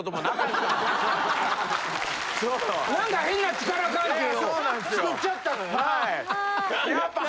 何か変な力関係を作っちゃったのよな。